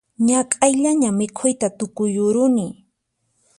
Ñak'ayllaña mikhuyta tukuyuruni